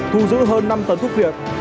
thu giữ hơn năm tấn thuốc việt